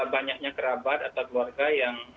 banyaknya kerabat atau keluarga yang